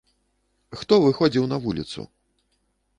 Хто выходзіў на вуліцу?